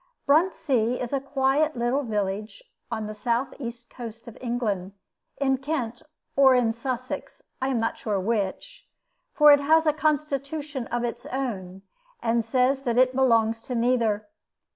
Bruntsea is a quiet little village on the southeast coast of England, in Kent or in Sussex, I am not sure which, for it has a constitution of its own, and says that it belongs to neither.